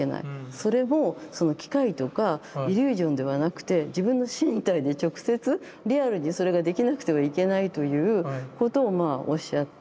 それも機械とかイリュージョンではなくて自分の身体に直接リアルにそれができなくてはいけないということをまあおっしゃって。